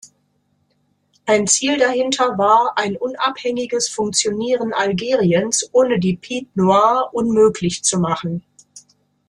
Ein Ziel dahinter war, ein unabhängiges Funktionieren Algeriens ohne die Pied-noirs unmöglich zu machen.